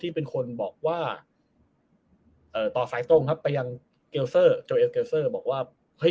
ที่เป็นคนบอกว่าต่อซ้าจงครับไปยังกับเกลิดเซอร์โจเอสเกลิดเซอร์บอกว่า